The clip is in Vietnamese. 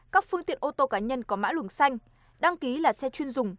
các phương tiện ô tô cá nhân có mã luồng xanh đăng ký là xe chuyên dùng